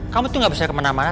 kamu tuh gak bisa kemana mana